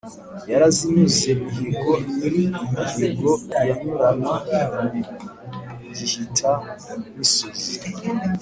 yarazinyuze mihigo, nyiri imihigo yanyurana mu gihita-misozi